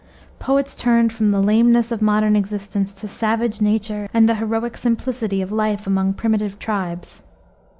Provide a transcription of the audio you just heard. Poets turned from the lameness of modern existence to savage nature and the heroic simplicity of life among primitive tribes.